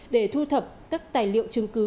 để thu thập các tài liệu chứng cứ